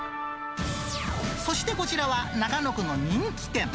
そしてこちらは、中野区の人気店。